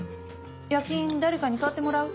夜勤誰かに代わってもらう？